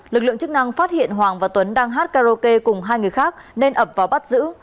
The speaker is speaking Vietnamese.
lực lượng chức năng phát hiện hoàng và tuấn đang hát karaoke cùng hai người khác nên ập vào bắt giữ